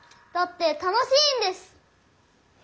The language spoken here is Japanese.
だって楽しいんです。